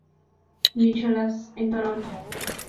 Nicholas" en Toronto.